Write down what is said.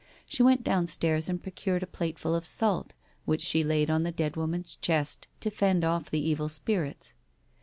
She went downstairs and procured a plateful of salt, which she laid on the dead wonjan's chest to fend off the evil spirits.